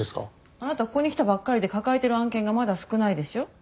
あなたここに来たばっかりで抱えてる案件がまだ少ないでしょ。